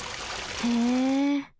へえ。